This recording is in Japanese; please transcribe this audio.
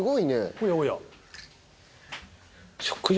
おやおや。